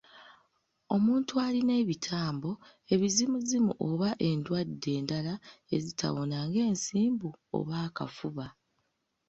Omuntu alina ebitambo, ebizimuzimu oba endwadde endala ezitawona ng’ensimbu oba akafuba.